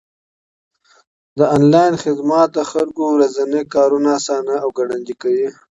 انلاين خدمات د خلکو ورځني کارونه آسانه او ګړندي کوي.